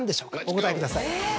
お答えください。